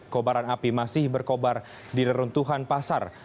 kobaran api masih berkobar di reruntuhan pasar